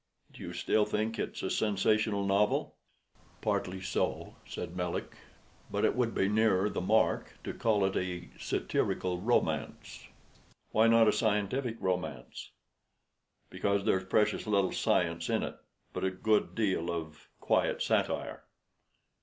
Do you still think it a sensational novel?" "Partly so," said Melick; "but it would be nearer the mark to call it a satirical romance." "Why not a scientific romance?" "Because there's precious little science in it, but a good deal of quiet satire."